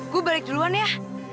gue balik duluan ya